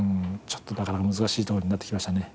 ちょっとだから難しいとこになってきましたね。